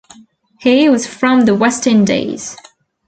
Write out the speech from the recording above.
He was from the West Indies.